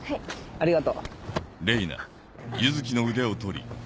ありがとう。